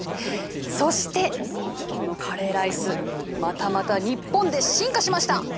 そしてこのカレーライスまたまた日本で進化しました！